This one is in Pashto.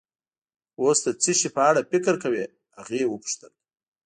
اوس د څه شي په اړه فکر کوې؟ هغې وپوښتل.